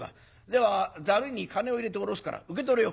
ではざるに金を入れて下ろすから受け取れよ」。